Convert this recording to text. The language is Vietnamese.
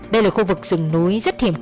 đây là khu vực rừng núi rất hiển hóa